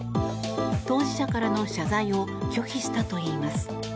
当事者からの謝罪を拒否したといいます。